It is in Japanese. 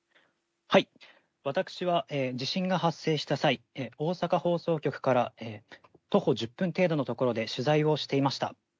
私は地震が発生した際大阪放送局から徒歩１０分程度のところで取材をしていました。